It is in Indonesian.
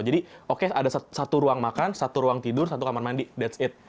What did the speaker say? jadi oke ada satu ruang makan satu ruang tidur satu kamar mandi that's it